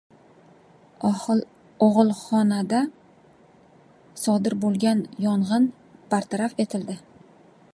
Og‘ilxonada sodir bo‘lgan yong‘in bartaraf etildi